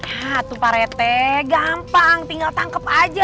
hah tuh pak rete gampang tinggal tangkep aja